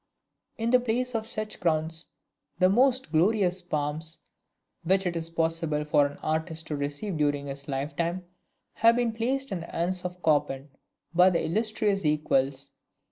In place of such crowns, the most glorious palms which it is possible for an artist to receive during his lifetime, have been placed in the hands of Chopin by ILLUSTRIOUS EQUALS.